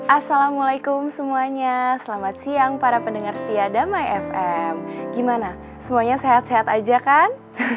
assalamualaikum semuanya selamat siang para pendengar setiagam myfm gimana semuanya sehat sehat aja kan